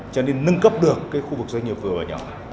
cho nên nâng cấp được khu vực doanh nghiệp vừa và nhỏ